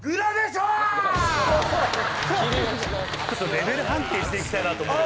レベル判定していきたいなと思って。